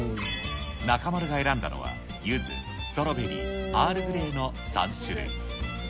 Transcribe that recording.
中丸が選んだのは、ゆず、ストロベリー、アールグレイの３種類。